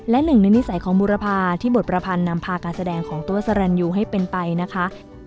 และหนึ่งในนิสัยของบุรพาที่บทประพันธ์นำพาการแสดงของตัวสรรยูให้เป็นไปนะคะ